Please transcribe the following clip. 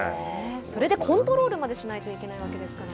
それでコントロールまでしないといけないわけですもんね。